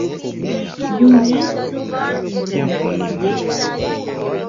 Juneco kaj internacieco.